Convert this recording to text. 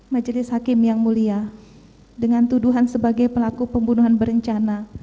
majelis hakim yang mulia dengan tuduhan sebagai pelaku pembunuhan berencana